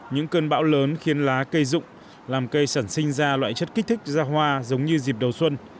những cơn bão lớn khiến lá cây rụng làm cây sản sinh ra loại chất kích thích ra hoa giống như dịp đầu xuân